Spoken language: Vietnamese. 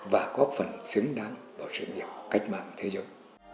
và góp phần xứng đáng vào sự nghiệp cách mạng thế giới